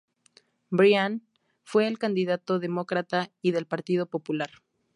Bryan fue el candidato demócrata y del Partido Popular.